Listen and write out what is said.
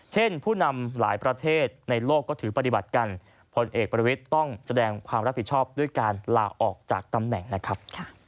ผู้นำหลายประเทศในโลกก็ถือปฏิบัติกันพลเอกประวิทย์ต้องแสดงความรับผิดชอบด้วยการลาออกจากตำแหน่งนะครับ